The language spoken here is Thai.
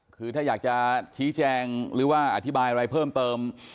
คือถ้าอยากจะชี้แจงหรือว่าอธิบายอะไรเพิ่มเติม